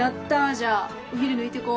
じゃあお昼抜いてこう。